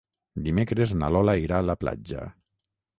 Dimecres na Lola irà a la platja.